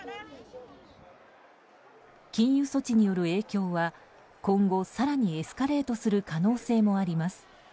禁輸措置による影響は今後更にエスカレートする可能性もあります。